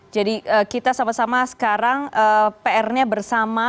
jadi kita sama sama sekarang pr nya bersama